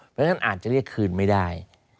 เพราะฉะนั้นอาจจะเรียกคืนไม่ได้